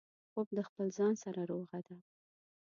خوب د خپل ځان سره روغه ده